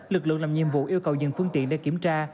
lực lượng làm nhiệm vụ yêu cầu dừng phương tiện để kiểm tra